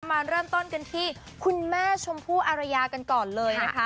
มาเริ่มต้นกันที่คุณแม่ชมพู่อารยากันก่อนเลยนะคะ